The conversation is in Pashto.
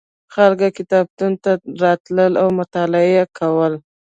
خلک کتابتون ته راتلل او مطالعه یې کوله.